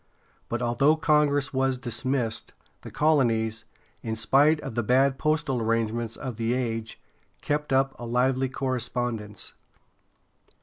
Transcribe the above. But although Congress was dismissed, the colonies, in spite of the bad postal arrangements of the age, kept up a lively correspondence.